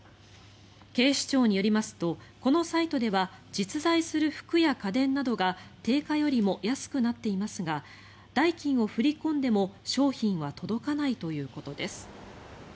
警視庁によりますとこのサイトでは実在する服や家電などが定価よりも安くなっていますが代金を振り込んでも商品は届かないということです。